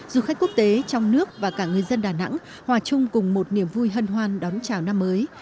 du khách quốc tế trong nước và cả người dân đà nẵng hòa chung cùng một niềm vui hân hoan đón chào năm mới